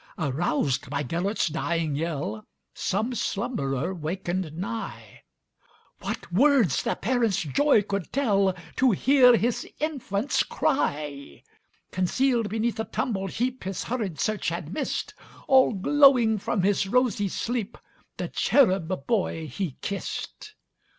Aroused by Gêlert's dying yell, Some slumberer wakened nigh:What words the parent's joy could tellTo hear his infant's cry! Concealed beneath a tumbled heapHis hurried search had missed, All glowing from his rosy sleep, The cherub boy he kissed.